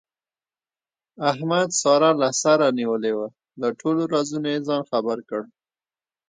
احمد ساره له سره نیولې وه، له ټولو رازونو یې ځان خبر کړ.